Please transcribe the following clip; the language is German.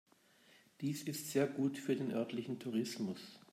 Dies ist sehr gut für den örtlichen Tourismus.